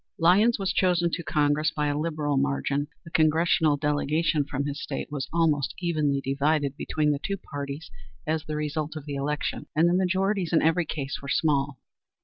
Lyons was chosen to Congress by a liberal margin. The Congressional delegation from his State was almost evenly divided between the two parties as the result of the election, and the majorities in every case were small.